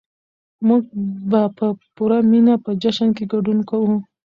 موږ به په پوره مينه په جشن کې ګډون کوو.